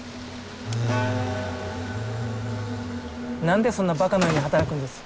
何でそんなバカのように働くんです？